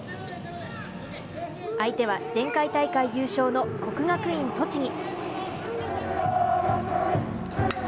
相手は前回大会優勝の国学院栃木。